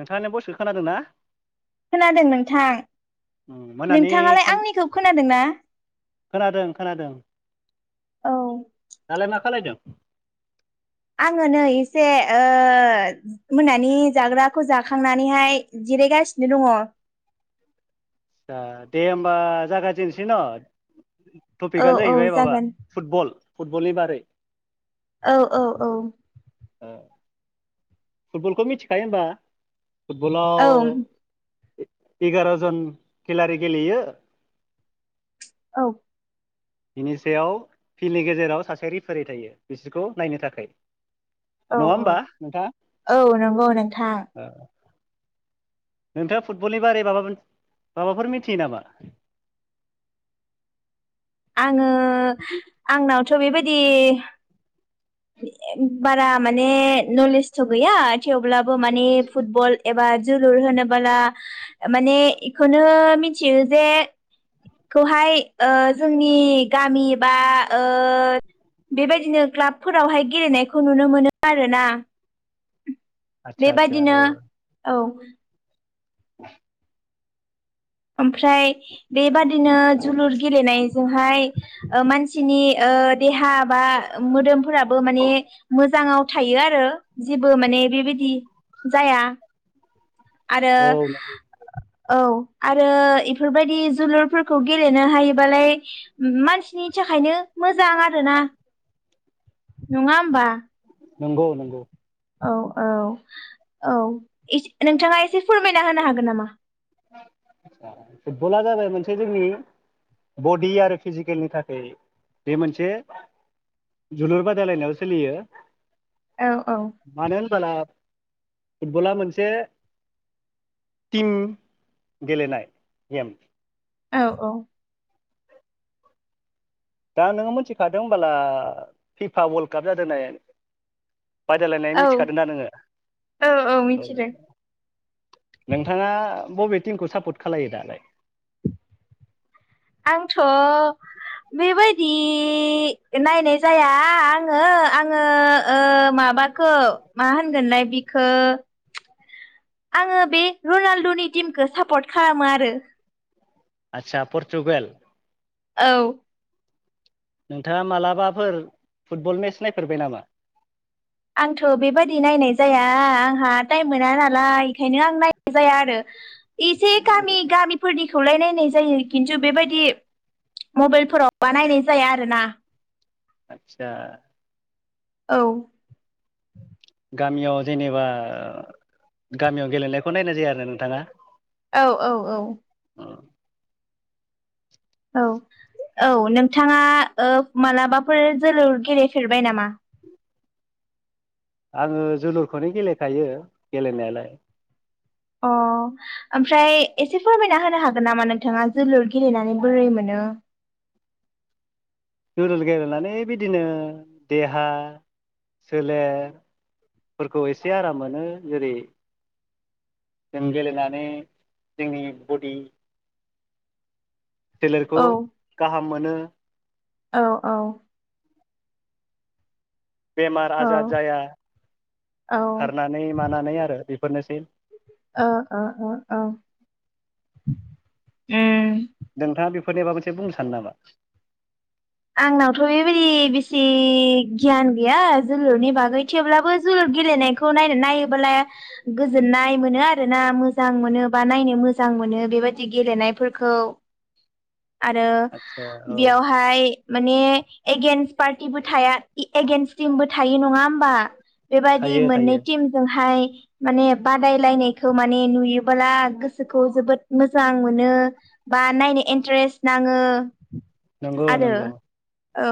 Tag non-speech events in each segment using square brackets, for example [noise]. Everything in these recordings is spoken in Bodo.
नोंथाङानो बयसखौ खोनादों ना खोनादों नोंथां मोनानि नोंथाङालाय आंनिखौ खोनादों ना खोनादों खोनादों औ दालाय मा खालायदों आङो नै एसे मोनानि जाग्राखौ जाखांनानैहाय जिरायगासिनो दङ आसा दे होमबा जागायजेनसै ना? औ टपिकआनो औ जाहैबाय माबा जागोन फुटबल फुटबलनि बारै औ औ औ [unintelligible] फुटबलखौ मिथिखायो होनोमबा औ फुटबलाव एगार' जन खेलारि गेलेयो औ बिनि सायाव फिल्डनि गेजेराव सासे रेफारि थायो बिसोरखौ नायनो थाखाय औ नङा औ होमबा नोंथाङा? औ नंगौ नोंथां नोंथाङा फुटबलनि बारै माबा माबाफोर मिथियो नामा? [inaudible] आङो आंनावथ' बेबायदि बारा माने नलेजथ' गैया थेवब्लाबो माने फुटबल बा जोलुर होनोबोला माने बेखौनो मिथियो जे खौहाय जोंनि गामि बा ओ बेबायदिनो क्लाबफोरावहाय गेलेनायखौ नुनो मोनो आरोना। आदसा आदसा बेबादिनो औ [inaudible] ओमफ्राय बेबादिनो जोलुर गेलेनाय जोंहाय मानसिनि देहा बा मोदोमफोराबो माने मोजाङाव थायो आरो जेबो माने बेबायदि जाया। आरो औ औ आरो इफोरबायदि जोलुरफोरखौ गेलेनो हायोबालाय मानसिनि थाखायनो मोजां आरोना। नङा होमबा? नंगौ नंगौ। औ औ औ नोंथाङा एसे फोरमायना होनो हागोन नामा? फुटबला जाबाय मोनसे जोंनि बडि आरो फिजिकेलनि थाखाय बे मोनसे जोलुर बादायलायनायावो सोलियो औ औ मानो होनबाला फुटबला मोनसे टिम। गेलेनाय नेम। औ औ दा नोङो मिथिखादों होनबाला फिफा वर्ल्ड काप जादों ननाय। बादायलायनाय औ मिथिखादों ना नोङो? औ नोंथाङा। बबे टिमखौ सापर्ट खालायो दालाय? आंथ' बेबायदि [unintelligible] नायनाय जाया आङो आङो ओ माबाखौ मा होनगोनलाय बिखौ [unintelligible] आङो बे रनाल्ड'नि टिमखौ सापर्ट खालामो आरो आतसा परतुगाल। औ नोंथाङा मालाबाफोर फुटबल मेट्च नायफेरबाय नामा? आंथ' बेबायादि नायनाय जाया आंहा टाइम मोना नालाय बेखायनो आं नायनाय जाया आरो एसे गामि गामिफोरनि खौलाय नाय जायो खिन्थु बेबायदि मबाइलफोरावबा नायनाय जाया आरोना। आतसा औ गामियाव जेनेबा गामियाव गेलेनायखौ नायनाय जाया आरो नोंथाङा। औ औ औ उम औ औ नोंथाङा ओ मालाबाफोर जोलुर गेलेफेरबाय नामा? आङो जोलुरखौनो गेलेखायो गेलेनायालाय। अ ओमफ्राय एसे फोरमायना होनो हागोन नामा नोंथाङा जोलुर गेलेनानै बोरै मोनो। दा जोलुर गेलेनानै बिदिनो देहा सोलेर फोरखौ एसे आराम मोनो जेरै जों गेलेनानै जोंनि बडि सोलेरखौ औ गाहाम मोनो औ औ बेमार ओ आजार जाया ओ खारनानै मानानै आरो बेफोरनोसै अ अ अ उम नोंथाङा बेफोरनिबाबा मोनसे बुंनो सानो नामा आंनावथ' बेबायदि बेसे गियान गैया जोलुरनि बागै थेवब्लाबो जोलुर गेलेनायखौ नायनो नायोबोला गोजोननाय मोनो आरोना मोजां मोनो बा नायनो मोजां मोजां मोनो बेबायदि गेलेनायफोरखौ [unintelligible] टॅ आरो बेयावहाय माने एगेन्स पार्टिबो थाया एगेन्स टिमबो थायो नङा होमबा बेबायादि थायो मोननै थायो टिमजोंहाय माने बादायलायनायखौ माने नुयोबोला गोसोखौ जोबोद मोजां मोनो बा नायनो इन्टारेस्ट नाङो नंगौ आरो नंगौ औ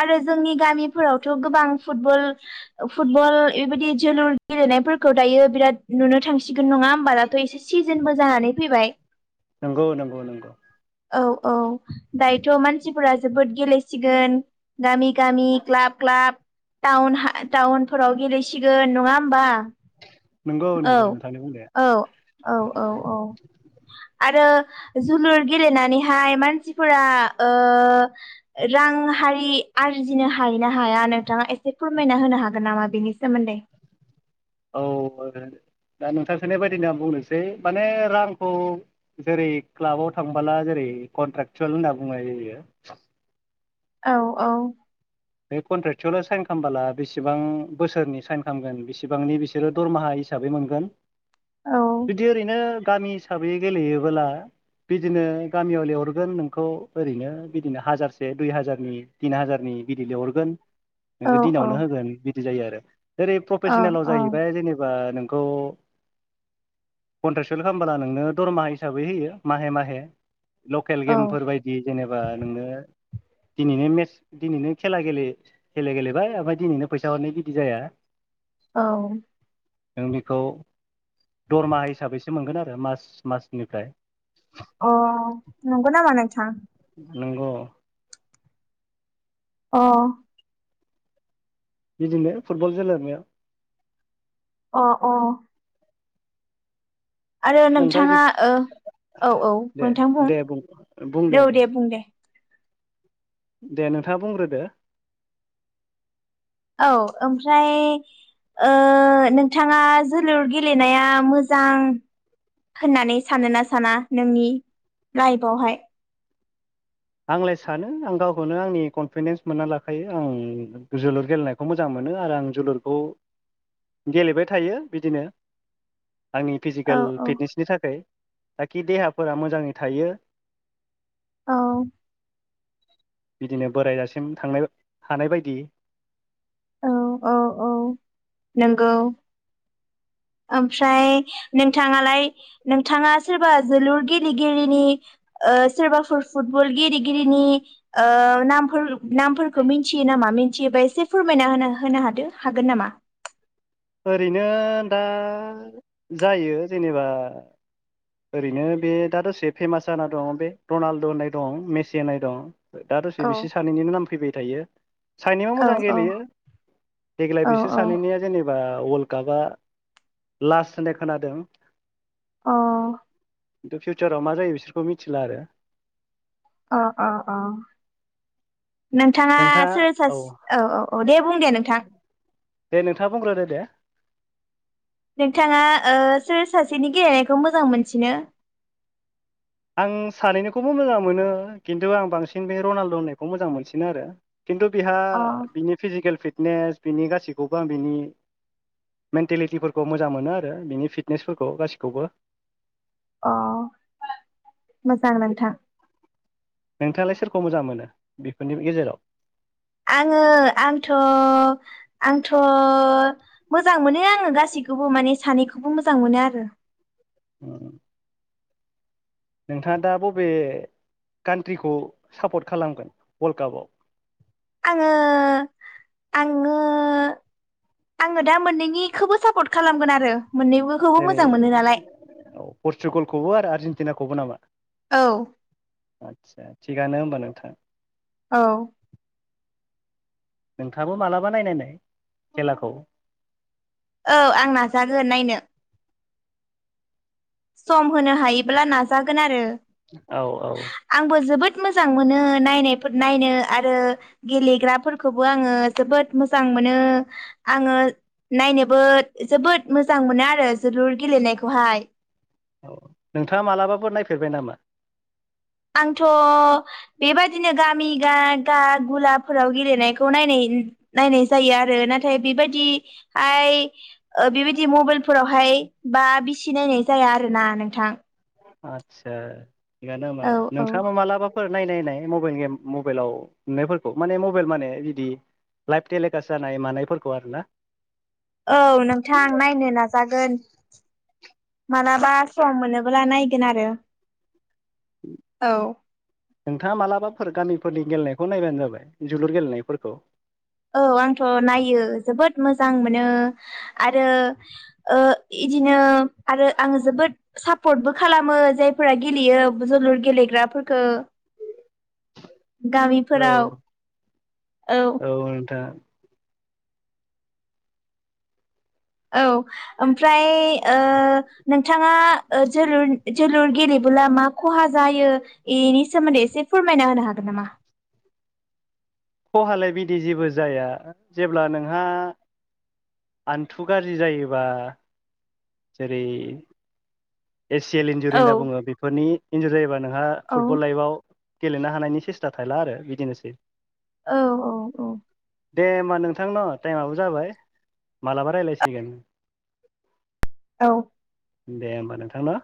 आरो जोंनि गामिफोरावथ' गोबां फुबल फुटबल बेबायदि जोलुर गेलेनायफोरखौ दायो बिराद नुनो थांसिगोन नङा होमबा दाथ एसे सिजोनबो जानानै फैयो मिथिबाय नंगौ नंगौ नंगौ औ औ दायोथ' मानसिफोरा जोबोद गेलेसिगोन गामि गामि क्लाब क्लाब टाउनफोराव गेलेसिगोन नङा होमबा नंगौ औ नंगौ नोंथांनि बुंनाया औ औ औ औ आरो जोलुर गेलेनानैहाय मानसिफोरा ओ रां हारि आरजिनो हायो ना हाया नोंथाङा एसे फोरमायना होनो हागोन नामा बेनि सोमोन्दै औलललल दा नोंथां सोंनाय बादिनो आं बुंनोसै माने रांखौ जेरै क्लाबाव थांबोला जेरै कन्ट्रेकसुयेल होन्ना बुङो औ औ बे कनट्रेक्टसुयेल' साइन खालामबोला बेसेबां बोसोरनि साइन खालामगोन बेसेबांनि बिसोरो दरमाहा हिसाबै मोनगोन औ जुदि ओरैनो गामि हिसाबै गेलेयोबोला बिदिनो गामियाव लिंहरगोन नोंखौ ओरैनो बिदिनो हाजारसे दुइ हाजारनि तिन हाजारनि गिदिर लिंहरगोन औ औ दिनावनो होगोन बिदि जायो आरो ओरै औ प्रफेसनेलाव जाहैबाय जेनेबा नोंखौ कन्ट्रेक्सल खालामबोला नोंनो दरमाहा हिसाबै होयो माहे माहे लकेल औ गेमफोर बायदि जेनेबा नोंनो दिनैनो मेस दिनैनो खेला गेले खला गेलेबाय ओमफ्राय दिनैनो फैसा हरनाय बिदि जाया औ नों बेखौ दरमाहा हिसाबैसो मोनगोन आरो मास मासनिफ्राय अ नंगौनामा नोंथां नंगौ अ बिदिनो फुटबल गेलेनाया अ अ आरो नोंथाङा ओ औ औ दे नोंथां बुं दे औ दे बुं दे दे नोंथाङा बुंग्रोदो औ ओमफ्राय ओ नोंथाङा जोलुर गेलेनाया मोजां होननानै सानोना साना नोंनि लाइफआवहाय आंलाय सानो आं गावखौनो आंनि कनफिडेन्स मोनना लाखायो आं जोलुर गेलेनायखौ मोजां मो नो आरो आं जोलुरखौ गेलेबाय थायो बिदिनो आंनि औ फिजिकेल औ फिटनेसनि थाखाय थाखि देहाफोरा मोजाङै थायो। औ बिदिनो बोराय जासिम थांनो हानाय बायदि औ औ औ नंगौ [unintelligible] ओमफ्राय नोंथाङालाय नोंथाङा सोरबा जोलुर गेलेगिरिनि ओ सोरबाफोर फुटबल गेलेगिरिनि ओ नामफोर नामफोरखौ मिथियो नामा? मिथियोबा एसे फोरमायना होनो होनो हादो हागोन नामा? ओरैनो दा जायो जेनेबा ओरैनो बे दा दसे फेमास जाना दं बे रनाल्द' होननाय दं मेसि होननाय दं। दा दसे औ बिसोर सानैनिनो नाम फैबाय थायो। सानैबो औ मोजां औ गेलेयो देग्लाय औ बिसोर औ सानैनिया जेने वर्ल्ड कापा लास्ट होननाय खोनादों। अ खिन्थु फिउचाराव मा जायो बिसोरखौ मिथिला आरो अ अ अ नोंथाङा सोर सा औ औ औ दे बुं दे नोंथां। दे नोंथाङा बुंग्रो दो दे। नोंथाङा ओ सोर सासेनि गेलेनायखौ मोजां मोनसिनो? आं सानैनोखौबो मोजां मोनो खिन्थु आं बांसिन बे रनाल्द' होननायखौ मोजां मोनसिनो आरो खिन्थु बिहा अ बिनि फिजिकेल फिटनेस बिनि गासैखौबो आं बिनि मेन्टेलिटिफोरखौ मोजां मोनो आरो बिनि फिटनेसफोरखौ गासिखौबो। अ मोजां नोंथां। नोंथाङालाय सोरखौ मोजां मोनो बेफोरनि गेजेराव आङो आंथ' आंथ' मोजां मोनो आङो गासैखौबो माने सानैखौबो मोजां मोनो आरो उम नोंथाङा दा बबे कान्ट्रिखौ सापर्ट खालामगोन वर्ल्ड कापाव आङो आङो आङो दा मोननैनिखौबो सापर्ट खालामगोन आरो मोननैबोखौबो जेरै मोजां मोनो नालाय औ पर्सुगालखौबो आरो आरजेेनटिनाखौबो नामा? औ आदसा थिगानो होमबा नोंथां। औ नोंथाङाबो मालाबा नायनाय नाय खेलाखौ औ आं नाजागोन नायनो। सम होनो हायोब्ला नाजागोन आरो औ औ आंबो जोबोद मोजां मोनो नायनाय फोर नायनो आरो गेलेग्राफोरखौबो आङो जोबोद मोजां मोनो आङो नायनोबो जोबोद मोजां मोनो आरो जोलुर गेलेनायखौहाय। औ नोंथाङा मालाबाबो नायफेरबाय नामा? आंथ' बेबायदिनो गामि गा गा गुलाफोराव गेलेनायखौ नायनाय [unintelligible] नायनाय जायो आरो नाथाय बेबायदि आय ओ बेबायदि मबाइलफोराव हाय हाय बा बिसि नायनाय जाया आरो ना नोंथां। आदसा थिगानो होमबा औ औ नोंथाङाबा मालाबा फोर नायनायनाय मबाइल गेम मबाइलाव नुनायफोरखौ माने मबाइल माने बिदि लाइफ टेलिकास्ट जानाय मानायफोरखौ आरोना। औ नोंथां नायनो नाजागो गोन मालाबा सम मोनोबोला नायगोन आरो। औ नोंथाङा मालाबाफोर गामिफोर फोरनि गेलनायखौ नायबानो जाबाय जोलुर गेलेनायफोरखौ। औ। आंथ' नायो जोबोद मोजां मोनो आरो ओ इदिनो ओ आरो आङो जोबोद सापर्टबो खालामो जायफोरा गेलेयो जोलुर गेलेग्राफोरखौ [inaudible] औ गामिफोराव औ। औ ओमफ्राय ओ नोंथाङा ओ जोलुर जोलुर गेले बोला मा खहा जायो इनि सोमोन्दै एसे फोरमायना होनो हागोन नामा? [inaudible] खहालाय बिदि जेबो जाया जेब्ला नोंहा आन्थु गाज्रि जायोबा जेरै ए सि एल इन्जुरि औ होनना बुङो बेफोरनि इन्जुरि जायोबा नोंहा औ फुटबल लाइभआव गेलेनो हानायनि सेस्था थाहैला आरो बिदिनोसै। औ औ औ। दे होमबा नोंथां न टाइमाबो जाबाय मालाबा रायलायसिगोन। औ। दे होमबा नोंथां ना?